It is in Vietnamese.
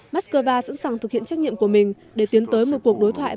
mắc cơ va sẵn sàng thực hiện trách nhiệm của mình để tiến tới một cuộc đối thoại